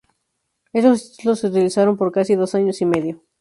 Estos títulos se utilizaron por casi dos años y medio.